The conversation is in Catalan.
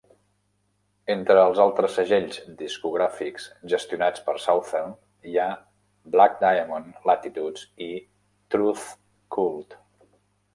Entre els altres segells discogràfics gestionats per Southern hi ha Black Diamond, Latitudes i Truth Cult.